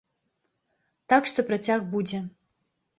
Так што працяг будзе.